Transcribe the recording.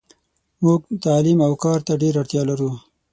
موږ تعلیم اوکارته ډیره اړتیالرو .